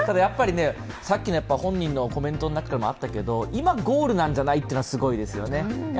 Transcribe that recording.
さっきの本人のコメントにもあったけど、今ゴールなんじゃないというのがすごいですよね。